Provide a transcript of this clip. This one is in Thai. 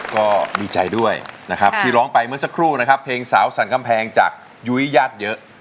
ก็ดีใจด้วยนะครับที่ร้องไปเมื่อสักครู่นะครับเพลงสาวสรรกำแพงจากยุ้ยญาติเยอะ